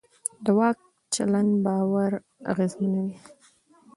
د واک چلند باور اغېزمنوي